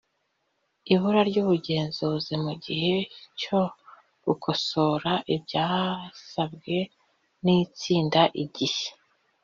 Ibura ry ubugenzuzi mu gihe cyo gukosora ibyasabwe n itsinda Igihe